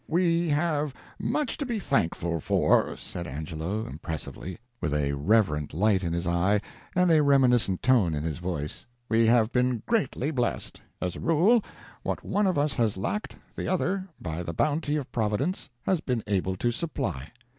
"We have much to be thankful for," said Angelo, impressively, with a reverent light in his eye and a reminiscent tone in his voice, "we have been greatly blessed. As a rule, what one of us has lacked, the other, by the bounty of Providence, has been able to supply.